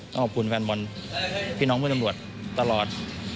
ขอบคุณแฟนบอลพี่น้องเพื่อนตำรวจตลอด